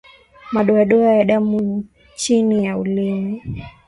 Madoadoa ya damu chini ya ulimi